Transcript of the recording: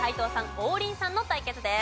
王林さんの対決です。